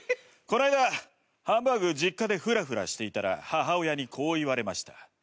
この間ハンバーグ実家でフラフラしていたら母親にこう言われました。